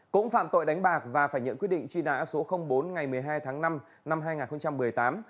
cũng phạm tội đánh bạc và phải nhận quyết định truy nã số bốn ngày một mươi hai tháng năm năm hai nghìn một mươi tám